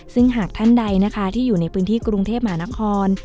ซึ่งหากท่านใดที่ในพื้นที่ครูกเทพหวังคร